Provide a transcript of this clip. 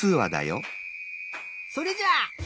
それじゃ。